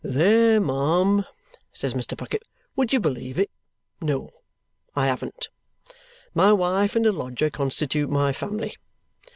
"There, ma'am!" says Mr. Bucket. "Would you believe it? No, I haven't. My wife and a lodger constitute my family.